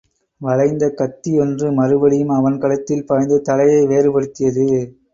வளைந்த கத்தியொன்று மறுபடியும் அவன் கழுத்தில் பாய்ந்து தலையை வேறுபடுத்தியது.